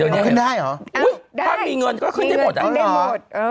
เดี๋ยวนี้ขึ้นได้หรออ้าวได้มีเงินขึ้นได้หมด